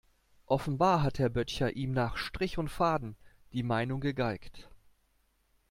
Offenbar hat Herr Böttcher ihm nach Strich und Faden die Meinung gegeigt.